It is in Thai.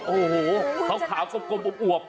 โอ้โหขาวกลมอวบ